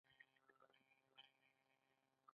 هغوی د ژمنې په بڼه باران سره ښکاره هم کړه.